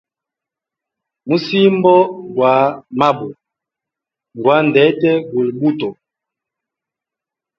Musimbo gwa mabwe, gwa ndete guli buto.